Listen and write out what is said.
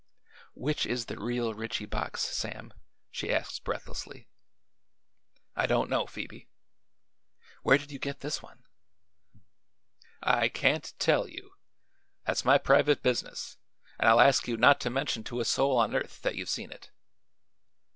"Which is the real Ritchie box, Sam?" she asked breathlessly. "I don't know, Phoebe." "Where did you get this one?" "I can't tell you. That's my private business, an' I'll ask you not to mention to a soul on earth that you've seen it."